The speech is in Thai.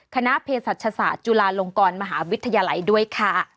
คณะเพศศาสตร์จุฬาลงกรมหาวิทยาลัยด้วยค่ะ